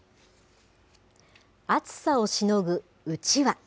暑さをしのぐうちわ。